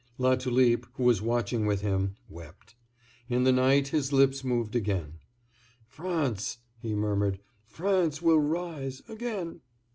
Latulipe, who was watching with him, wept. In the night his lips moved again. "France," he murmured, "France will rise—again."